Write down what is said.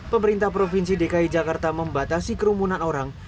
pemerintah provinsi dki jakarta membatasi kerumunan orang